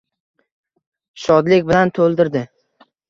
Shodlik bilan to’ldirdi.